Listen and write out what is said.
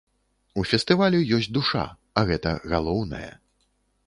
У фестывалю ёсць душа, а гэта галоўнае.